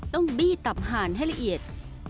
ต้องบี้ตับหานให้ละเอียด